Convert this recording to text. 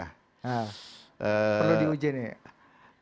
perlu diuji nih ya